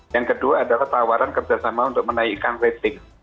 yang kedua adalah tawaran kerjasama untuk menaikkan rating